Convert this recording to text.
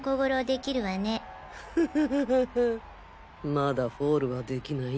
まだフォールはできない